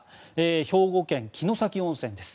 兵庫県・城崎温泉です。